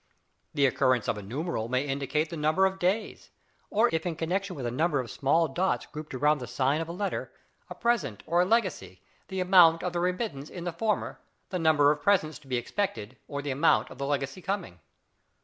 The occurrence of a numeral may indicate the number of days, or if in connection with a number of small dots grouped around the sign of a letter, a present or a legacy, the amount of the remittance in the former, the number of presents to be expected, or the amount of the legacy coming.